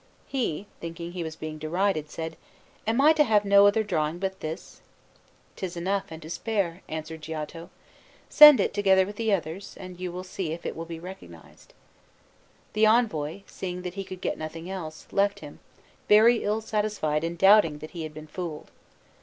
He, thinking he was being derided, said: "Am I to have no other drawing but this?" "'Tis enough and to spare," answered Giotto. "Send it, together with the others, and you will see if it will be recognized." The envoy, seeing that he could get nothing else, left him, very ill satisfied and doubting that he had been fooled.